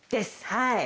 はい。